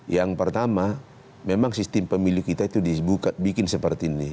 yang pertama memang sistem pemilu kita itu dibikin seperti ini